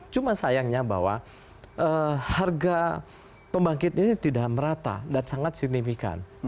cuma sayangnya bahwa harga pembangkit ini tidak merata dan sangat signifikan